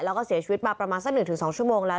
แล้วก็เสียชีวิตมาประมาณสัก๑๒ชั่วโมงแล้ว